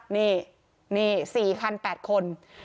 นี่นี่๔คัน๘คน